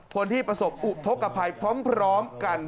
คนที่ประสบอุทธกภัยพร้อมกัน